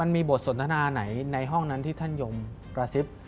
มีบทสนทนาไหนในห้องนั้นที่ท่านยมกระซิบ